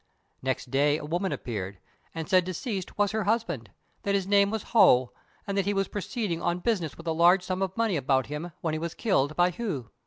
Next day a woman appeared, and said deceased was her husband; that his name was Ho, and that he was proceeding on business with a large sum of money about him when he was killed by Hu.